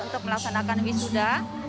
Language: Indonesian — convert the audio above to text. untuk melaksanakan wisuda